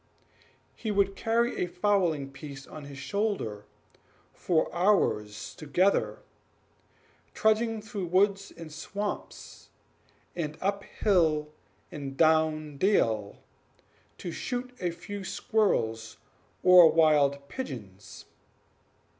He would carry a fowling piece on his shoulder for hours together, trudging through woods and swamps, and up hill and down dale, to shoot a few squirrels or wild pigeons.